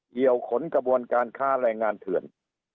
เกี่ยวขนกระบวนการค้าแรงงานเถื่อน